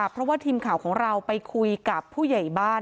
เพราะว่าทีมข่าวของเราไปคุยกับผู้ใหญ่บ้าน